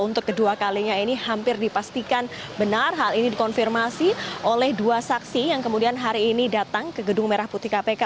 untuk kedua kalinya ini hampir dipastikan benar hal ini dikonfirmasi oleh dua saksi yang kemudian hari ini datang ke gedung merah putih kpk